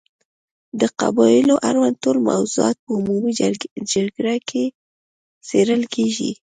د قبایلو اړوند ټول موضوعات په عمومي جرګې کې څېړل کېږي.